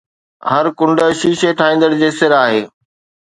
هر ڪنڊ شيشي ٺاهيندڙ جي سر آهي